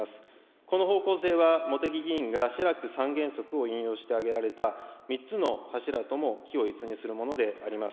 この方向性は茂木議員がシラク３原則を引用してあげられた３つの柱とも軌を一にするものであります。